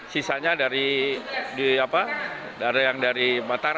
sisanya dari yang dari mataram ada yang dari sebagai volunteer